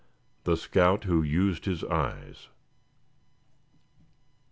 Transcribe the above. THE SCOUT WHO USED HIS EYES.